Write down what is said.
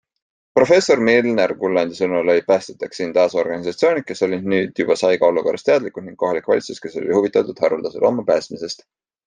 Professor Milner-Gullandi sõnul olid päästjateks siin taas organisatsioonid, kes olid nüüd juba saiga olukorrast teadlikud ning kohalik valitsus, kes oli huvitatud haruldase looma päästmisest.